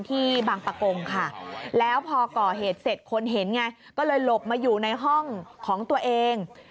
ที่บางปะกงค่ะแล้วพอก่อเหตุเสร็จคนเห็นไงก็เลยหลบมาอยู่ในห้องของตัวเอง